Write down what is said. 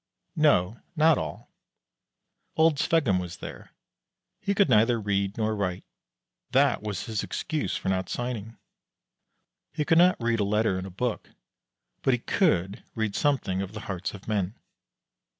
No, not all. Old Sveggum was there. He could neither read nor write. That was his excuse for not signing. He could not read a letter in a book, but he could read something of the hearts of men.